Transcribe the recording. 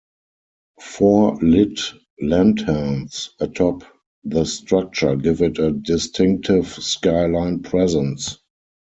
Four lit "lanterns" atop the structure give it a distinctive skyline presence.